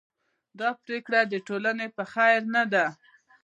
دا پرېکړه د ټولنې په خیر نه ده.